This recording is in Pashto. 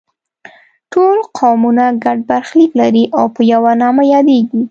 ټول قومونه ګډ برخلیک لري او په یوه نامه یادیږي.